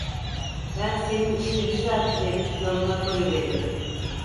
Ben senin işini düzeltiverir, yoluna koyuveririm.